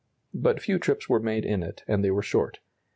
But few trips were made in it, and they were short.